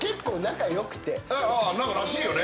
何からしいよね。